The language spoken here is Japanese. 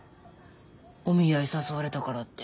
お見合い誘われたからって。